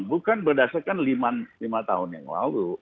bukan berdasarkan lima tahun yang lalu